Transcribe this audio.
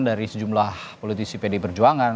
dari sejumlah politisi pd perjuangan